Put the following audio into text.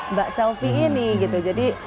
mbak selvi ini gitu jadi